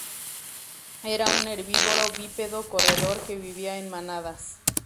Era un herbívoro bípedo corredor que vivía en manadas.